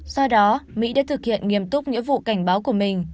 do đó mỹ đã thực hiện nghiêm túc nghĩa vụ cảnh báo của mình